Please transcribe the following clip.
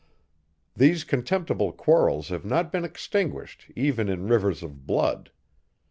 These contemptible quarrels have not been extinguished even in rivers of blood.